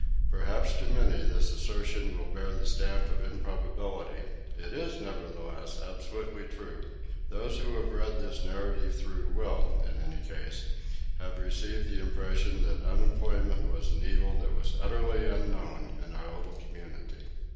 Perhaps to many this assertion will bear the stamp of improbability; it is, nevertheless, absolutely true. Those who have read this narrative through will, in any case, have received the impression that unemployment was an evil that was utterly unknown in our little community.